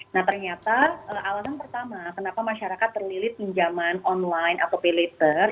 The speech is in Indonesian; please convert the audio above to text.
nah ternyata alasan pertama kenapa masyarakat terlilit pinjaman online atau pay later